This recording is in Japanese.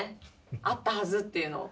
あったはずっていうのを。